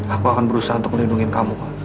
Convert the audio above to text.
aku akan berusaha untuk melindungi kamu kok